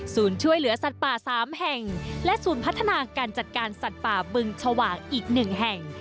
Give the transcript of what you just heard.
ช่วยเหลือสัตว์ป่า๓แห่งและศูนย์พัฒนาการจัดการสัตว์ป่าบึงชวางอีก๑แห่ง